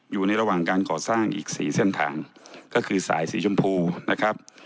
อยู่ในระหว่างการก่อสร้างอีกสี่เส้นทางก็คือสายสีชมพูนะครับ